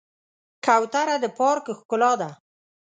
کوتره د پارک ښکلا ده.